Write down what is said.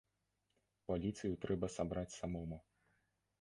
Паліцыю трэба сабраць самому.